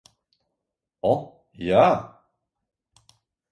O, jā!